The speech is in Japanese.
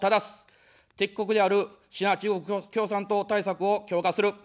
敵国であるシナ、中国共産党対策を強化する。